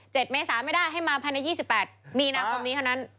เจ็ดไหมสาไม่ได้ให้มาพันธุ์๒๘มีนะความนี้เท่านั้น